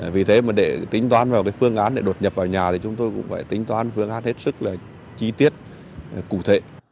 vì thế mà để tính toán vào cái phương án để đột nhập vào nhà thì chúng tôi cũng phải tính toán phương án hết sức là chi tiết cụ thể